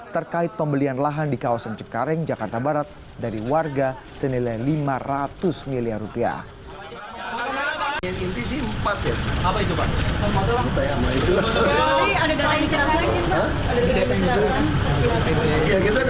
terkait pembelian lahan di kawasan cengkareng jakarta barat dari warga senilai lima ratus miliar rupiah